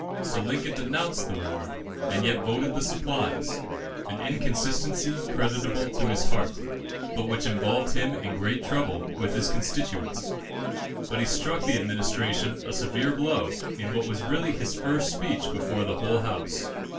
So Lincoln denounced the war, and yet voted the supplies an inconsistency creditable to his heart, but which involved him in trouble with his constituents. But he struck the Administration a severe blow in what was really his first speech before the whole House.